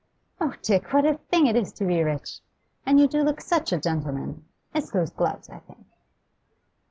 'Oh, Dick, what a thing it is to be rich! And you do look such a gentleman; it's those gloves, I think.